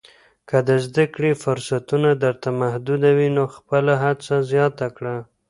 که د زده کړې فرصتونه درته محدود وي، نو خپله هڅه زیاته کړه.